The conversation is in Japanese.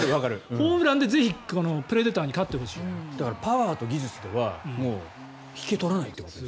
ホームランでぜひプレデターにパワーと技術では引けを取らないってことです。